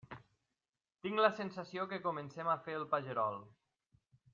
Tinc la sensació que comencem a fer el pagerol.